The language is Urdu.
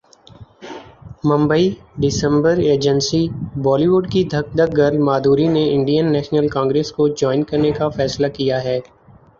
ممبئی ڈسمبرایجنسی بالی ووڈ کی دھک دھک گرل مادھوری نے انڈین نیشنل کانگرس کو جائن کرنے کا فیصلہ کیا ہے